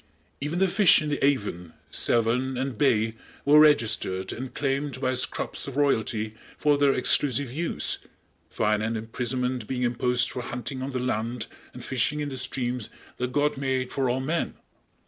Even the fish in the Avon, Severn and Bay were registered and claimed by scrubs of royalty for their exclusive use, fine and imprisonment being imposed for hunting on the land and fishing in the streams that God made for all men.